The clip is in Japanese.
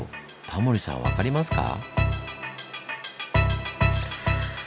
タモリさん分かりますか？